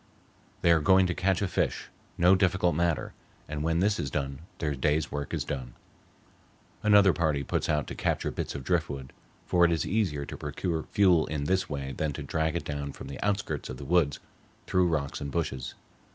They are going to catch a fish, no difficult matter, and when this is done their day's work is done. Another party puts out to capture bits of driftwood, for it is easier to procure fuel in this way than to drag it down from the outskirts of the woods through rocks and bushes.